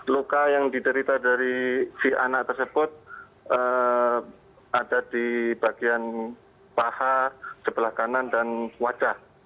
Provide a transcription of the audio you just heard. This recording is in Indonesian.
luka yang diderita dari si anak tersebut ada di bagian paha sebelah kanan dan wajah